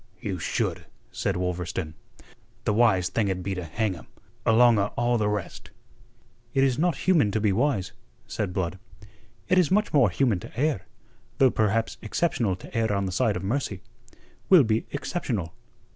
"You should," said Wolverstone. "The wise thing'd be to hang him, along o' all the rest." "It is not human to be wise," said Blood. "It is much more human to err, though perhaps exceptional to err on the side of mercy. We'll be exceptional.